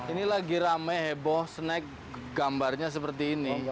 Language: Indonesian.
ini lagi rame heboh snack gambarnya seperti ini